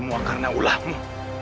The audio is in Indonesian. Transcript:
semua karena ulamu